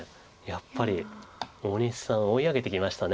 やっぱり大西さん追い上げてきました